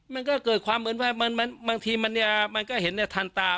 มันก็เกิดความเหมือนว่าบางทีมันก็เห็นทันตา